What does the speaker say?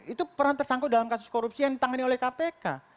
itu peran tersangkut dalam kasus korupsi yang ditangani oleh kpk